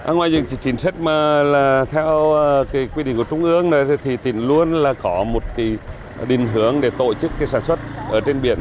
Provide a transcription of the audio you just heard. ngoài những chính sách mà là theo quy định của trung ương thì tỉnh luôn là có một cái định hướng để tổ chức cái sản xuất ở trên biển